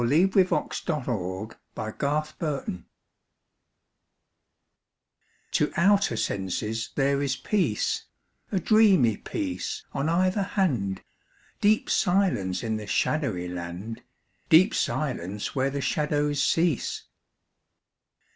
fi4S] II LA FUITE DE LA LUNE TO outer senses there is peace, A dreamy peace on either hand, Deep silence in the shadowy land, Deep silence where the shadows cease.